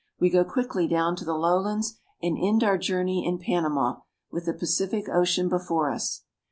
We go quickly down to the lowlands, and end our journey in Panama, with the Pacific Ocean before us.